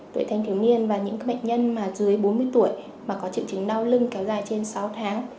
tuổi thanh thiếu niên và những bệnh nhân mà dưới bốn mươi tuổi mà có triệu chứng đau lưng kéo dài trên sáu tháng